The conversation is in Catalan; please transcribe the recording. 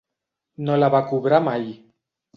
No la va cobrar mai.